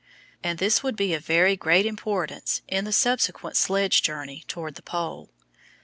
And this would be of very great importance in the subsequent sledge journey toward the Pole.